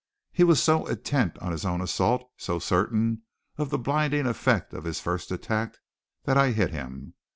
He was so intent on his own assault, so certain of the blinding effect of his first attack, that I hit him.